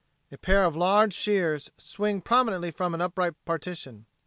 A pair of large shears swing prominently from an upright partition.